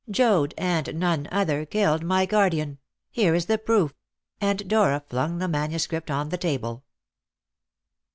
Joad, and none other, killed my guardian! Here is the proof!" and Dora flung the manuscript on the table.